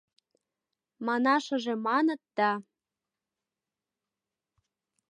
— Манашыже маныт да...